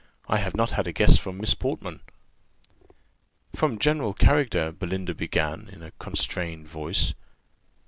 I have not had a guess from Miss Portman." "From general character," Belinda began, in a constrained voice.